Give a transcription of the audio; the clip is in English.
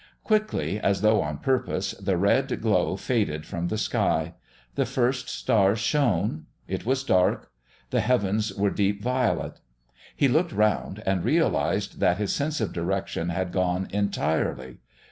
Quickly, as though on purpose, the red glow faded from the sky; the first stars shone; it was dark; the heavens were deep violet. He looked round and realised that his sense of direction had gone entirely.